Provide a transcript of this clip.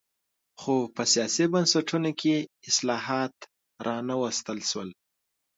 خو په سیاسي بنسټونو کې اصلاحات را نه وستل شول.